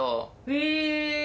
え！